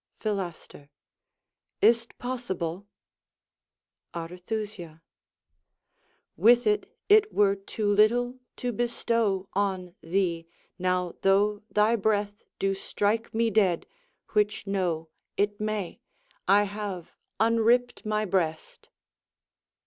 Philaster Is't possible? Arethusa With it, it were too little to bestow On thee. Now, though thy breath do strike me dead, (Which, know, it may,) I have unript my breast.